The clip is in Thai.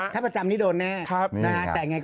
ถ้าประจำนี้โดนแน่